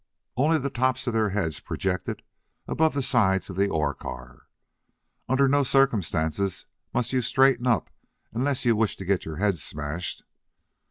Only the tops of their heads projected above the sides of the ore car. "Under no circumstances must any of you straighten up unless you wish to get your heads smashed."